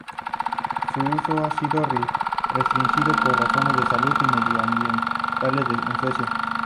Su uso ha sido restringido por razones de salud y medioambientales en Suecia.